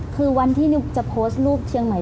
คือวันที่นุ๊กจะโพสต์รูปเชียงใหม่